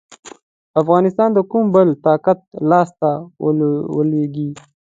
افغانستان د کوم بل طاقت لاسته ولوېږي.